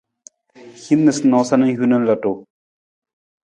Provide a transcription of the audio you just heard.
Hin noosanoosa na hiwung na ludu.